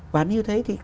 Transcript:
và như thế thì